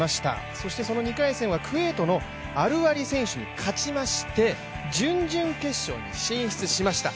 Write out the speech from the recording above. そしてその２回線はクウェートの選手に勝ちまして、準々決勝に進出しました。